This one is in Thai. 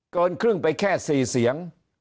เกินครึ่งไปแค่๔เสียง